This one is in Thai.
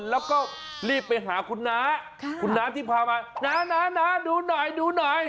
แล้วก็รีบไปหาคุณน้าคุณน้าที่พามาน้าดูหน่อยดูหน่อย